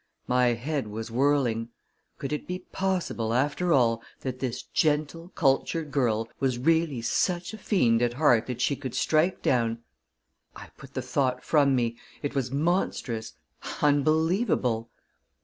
My head was whirling. Could it be possible, after all, that this gentle, cultured girl was really such a fiend at heart that she could strike down.... I put the thought from me. It was monstrous, unbelievable!